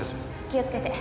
気をつけて。